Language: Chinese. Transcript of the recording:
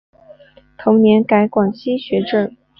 同年改广西学政。